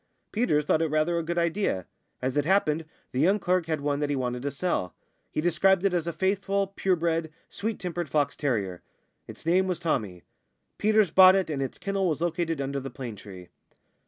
Peters thought it rather a good idea. As it happened, the young clerk had one that he wanted to sell; he described it as a faithful, pure bred, sweet tempered fox terrier. It's name was Tommy. Peters bought it, and its kennel was located under the plane tree.